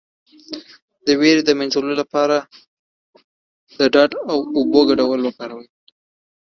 د ویرې د مینځلو لپاره د ډاډ او اوبو ګډول وکاروئ